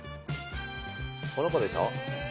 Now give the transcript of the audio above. この子でしょ。